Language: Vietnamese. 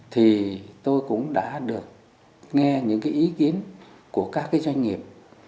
thì tôi cũng đã được nghe những cái ý kiến của các cái doanh nghiệp